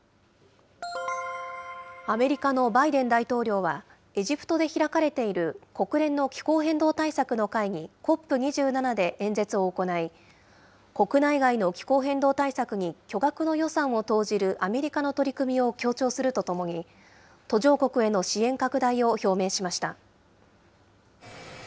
アメリカのバイデン大統領は、エジプトで開かれている国連の気候変動対策の会議、ＣＯＰ２７で演説を行い、国内外の気候変動対策に巨額の予算を投じるアメリカの取り組みを強調するとともに、途上国への支援拡大を表明しました。